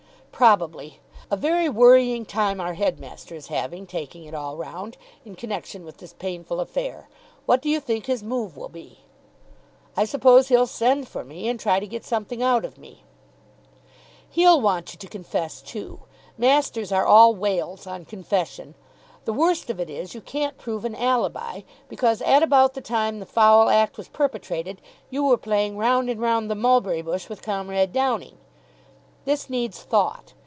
"Probably. A very worrying time our headmaster is having, taking it all round, in connection with this painful affair. What do you think his move will be?" "I suppose he'll send for me, and try to get something out of me." "He'll want you to confess, too. Masters are all whales on confession. The worst of it is, you can't prove an alibi, because at about the time the foul act was perpetrated, you were playing Round and round the mulberry bush with Comrade Downing. This needs thought.